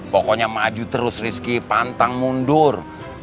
pokoknya maju terus rizky pantang mundur